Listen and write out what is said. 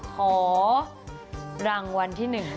ขอรางวัลที่หนึ่ง